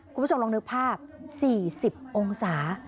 คุณผู้ชมลองนึกภาพ๔๐องศา